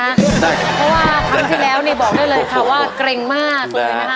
เพราะว่าคำที่แล้วบอกได้เลยว่าเกร็งมาก